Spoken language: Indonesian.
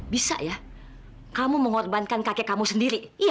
bisa ya kamu mengorbankan kakek kamu sendiri